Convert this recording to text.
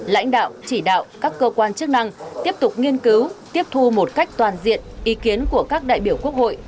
lãnh đạo chỉ đạo các cơ quan chức năng tiếp tục nghiên cứu tiếp thu một cách toàn diện ý kiến của các đại biểu quốc hội